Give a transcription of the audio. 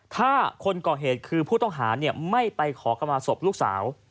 ถ้าคนก่อเหตุคือผู้ต้องหาไม่ไปขอเข้ามาศพลูกสาว